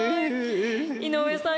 井上さん